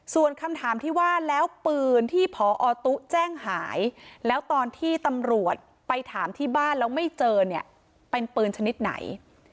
ส่วนคำถามที่ว่าแล้วปืนที่พอตุ๊แจ้งหายแล้วตอนที่ตำรวจไปถามที่บ้านแล้วไม่เจอเนี่ยเป็นปืนชนิดไหน